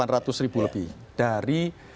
delapan ratus ribu lebih dari